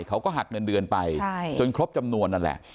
เขาก็หักเงินเดือนไปจนครบจำนวนนั่นแหละ